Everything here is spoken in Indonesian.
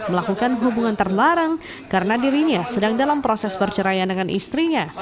melakukan hubungan terlarang karena dirinya sedang dalam proses perceraian dengan istrinya